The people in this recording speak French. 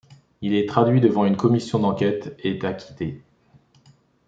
Il est traduit devant une commission d'enquête, et acquitté.